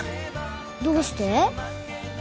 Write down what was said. どうして？